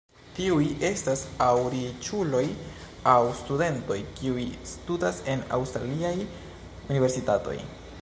Tiuj estas aŭ riĉuloj aŭ studentoj, kiuj studas en aŭstraliaj universitatoj.